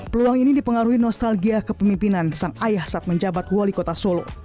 peluang ini dipengaruhi nostalgia kepemimpinan sang ayah saat menjabat wali kota solo